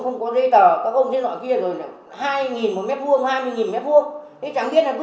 không có giấy tờ các ông trên họ kia rồi hai một mét vuông hai mươi mét vuông chẳng biết là cứ